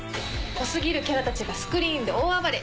濃すぎるキャラたちがスクリーンで大暴れ。